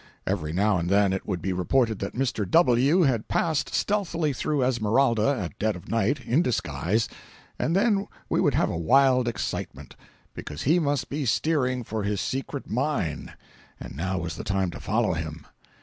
Every now and then it would be reported that Mr. W. had passed stealthily through Esmeralda at dead of night, in disguise, and then we would have a wild excitement—because he must be steering for his secret mine, and now was the time to follow him.